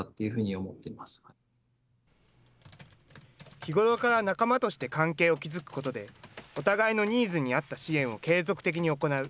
日頃から仲間として関係を築くことで、お互いのニーズに合った支援を継続的に行う。